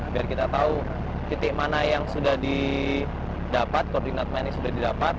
biar kita tahu titik mana yang sudah didapat koordinat mana yang sudah didapat